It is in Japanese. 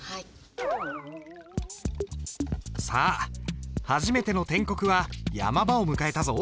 さあ初めての篆刻は山場を迎えたぞ。